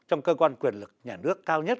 trong cơ quan quyền lực nhà nước cao nhất